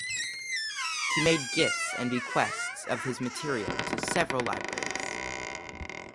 He made gifts and bequests of his material to several libraries.